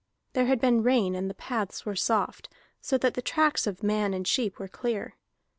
There had been rain and the paths were soft, so that the tracks of man and sheep were clear.